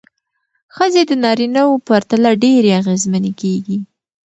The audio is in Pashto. ښځې د نارینه وو پرتله ډېرې اغېزمنې کېږي.